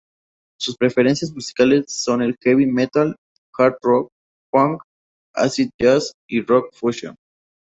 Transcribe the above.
Sus preferencias musicales son el Heavy metal, Hard rock, Funk, Acid Jazz y Rock-Fusion.